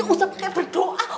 gak usah pake berdoa